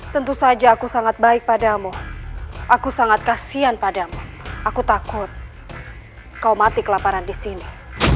tentu saja aku sangat baik padamu aku sangat kasian padamu aku takut kau mati kelaparan di sini